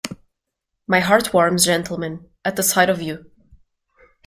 My heart warms, gentlemen, at the sight of you.